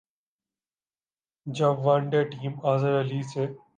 جب one day team Azhar Ali سے